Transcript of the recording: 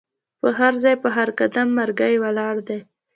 په هرځای په هر قدم مرګی ولاړ دی